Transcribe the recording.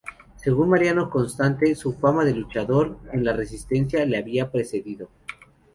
Según Mariano Constante, su fama de luchador en la resistencia le había precedido.